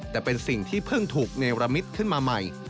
แต่เป็นสิ่งที่เพิ่งถูกเนรมิตขึ้นมาใหม่